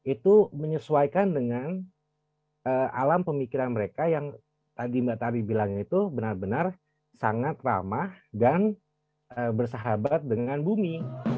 itu menyesuaikan dengan alam pemikiran mereka yang tadi mbak tawi bilang itu benar benar sangat ramah dan bersahabat dengan bumi